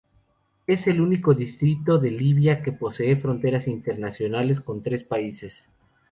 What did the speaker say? Es el único distrito de Libia que posee fronteras internacionales con tres países.